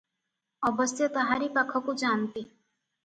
ଅବଶ୍ୟ ତାହାରି ପାଖକୁ ଯାନ୍ତି ।